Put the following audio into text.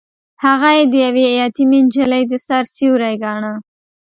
هغه يې د يوې يتيمې نجلۍ د سر سيوری ګاڼه.